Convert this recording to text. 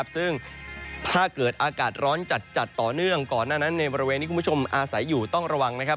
ซึ่งถ้าเกิดอากาศร้อนจัดต่อเนื่องก่อนหน้านั้นในบริเวณที่คุณผู้ชมอาศัยอยู่ต้องระวังนะครับ